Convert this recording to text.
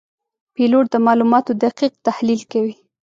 پیلوټ د معلوماتو دقیق تحلیل کوي.